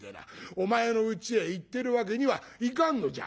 お前のうちへ行ってるわけにはいかんのじゃ」。